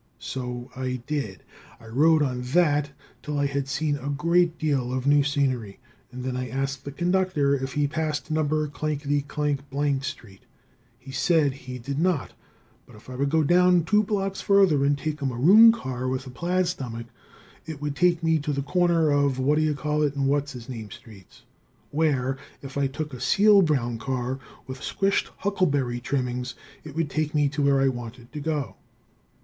So I did I rode on that till I had seen a great deal of new scenery, and then I asked the conductor if he passed Number Clankety Clank, Blank street. He said he did not, but if I would go down two blocks further and take a maroon car with a plaid stomach it would take me to the corner of "What do you call it and What's his name streets," where, if I took a seal brown car with squshed huckleberry trimmings it would take me to where I wanted to go.